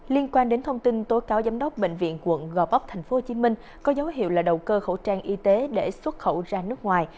liên quan đến thông tin tố cáo giám đốc bệnh viện quận gò vấp tp hcm có dấu hiệu là đầu cơ khẩu trang y tế để xuất khẩu ra nước ngoài